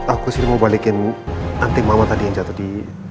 aku sih mau balikin anti mama tadi yang jatuh di